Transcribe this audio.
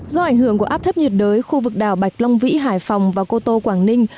do ảnh hưởng của áp thấp nhiệt đới khu vực đảo bạch long vĩ hải phòng và cô tô quảng ninh